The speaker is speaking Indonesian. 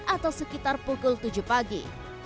atau sekitar pukul tujuh pagi